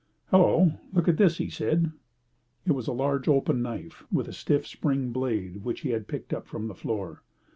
"Hello, look at this!" said he. It was a large, open knife with a stiff spring blade which he had picked up from the floor.